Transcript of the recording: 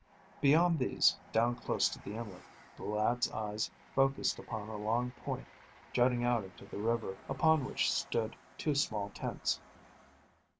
Beyond these, down close to the inlet, the lad's eyes focused upon a long point, jutting out into the river, upon which stood two small tents.